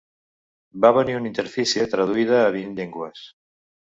Va tenir una interfície traduïda a vint llengües.